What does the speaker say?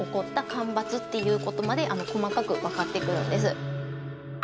干ばつっていうことまで細かくわかってくるんです。